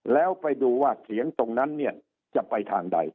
แล้วไปดูว่าเสียงตรงนั้นเนี่ยจะไปทางใด